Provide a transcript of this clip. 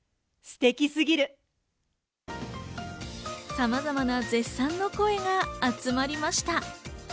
さまざまな絶賛の声が集まりました。